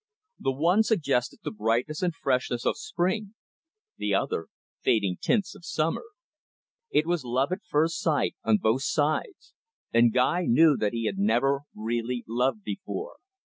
The one suggested the brightness and freshness of spring, the other fading tints of summer. It was love at first sight on both sides, and Guy knew that he had never really loved before.